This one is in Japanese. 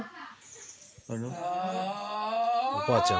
おばあちゃん。